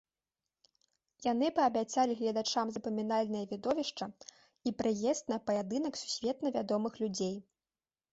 Яны паабяцалі гледачам запамінальнае відовішча і прыезд на паядынак сусветна вядомых людзей.